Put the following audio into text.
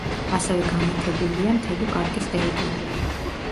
ასევე განათებულია მთელი პარკის ტერიტორია.